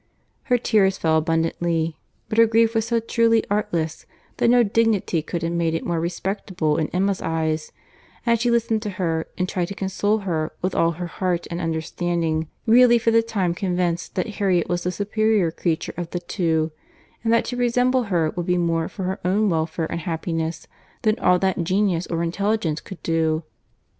Her tears fell abundantly—but her grief was so truly artless, that no dignity could have made it more respectable in Emma's eyes—and she listened to her and tried to console her with all her heart and understanding—really for the time convinced that Harriet was the superior creature of the two—and that to resemble her would be more for her own welfare and happiness than all that genius or intelligence could do.